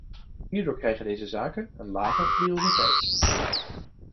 Hierdoor krijgen deze zaken een lage prioriteit.